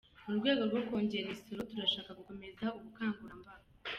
Mu rwego rwo kongera imisoro, turashaka gukomeza ubukangurambaga.